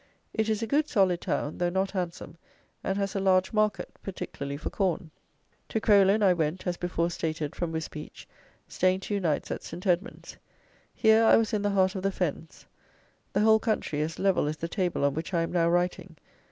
It is a good solid town, though not handsome, and has a large market, particularly for corn. To Crowland, I went, as before stated, from Wisbeach, staying two nights at St. Edmund's. Here I was in the heart of the Fens. The whole country as level as the table on which I am now writing.